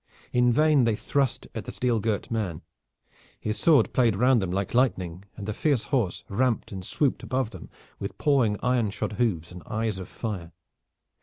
In vain they thrust at the steel girt man. His sword played round them like lightning, and the fierce horse ramped and swooped above them with pawing iron shod hoofs and eyes of fire.